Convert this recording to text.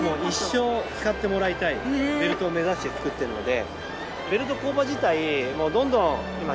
ベルトを目指して作ってるので。